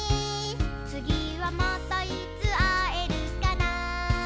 「つぎはまたいつあえるかな」